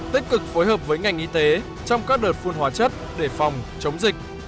tích cực phối hợp với ngành y tế trong các đợt phun hóa chất để phòng chống dịch